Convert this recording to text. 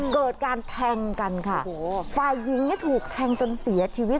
เกิดการแทงกันค่ะฝ่ายยิงถูกแทงจนเสียชีวิต